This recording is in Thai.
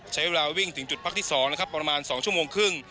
ใช้เวลาวิ่งถึงจุดพักที่๒นะครับประมาณ๒ชั่วโมงครึ่ง